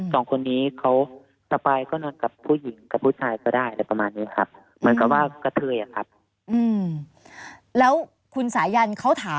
ไม่ได้ถามเลยไม่ได้ถามอะไรเลยหรอคะ